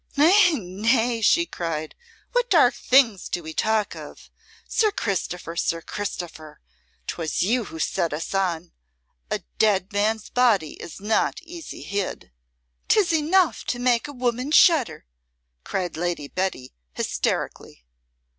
"Nay, nay!" she cried. "What dark things do we talk of! Sir Christopher, Sir Christopher, 'twas you who set us on. A dead man's body is not easy hid!" "'Tis enough to make a woman shudder," cried Lady Betty, hysterically.